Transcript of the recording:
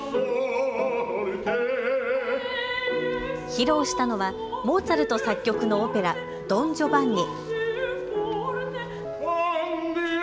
披露したのはモーツァルト作曲のオペラ、ドン・ジョバンニ。